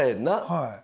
はい。